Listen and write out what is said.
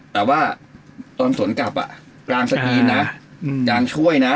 แต่ว่าตอนสวนกลับอ่ะกลางสกรีนนะกลางช่วยนะ